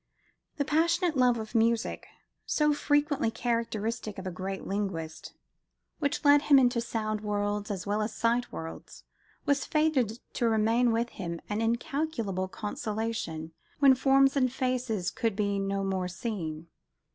The passionate love of music, so frequently characteristic of a great linguist, which led him into sound worlds as well as sight worlds, was fated to remain with him, an incalculable consolation, when "forms and faces" could be no more seen.